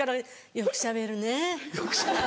よくしゃべる。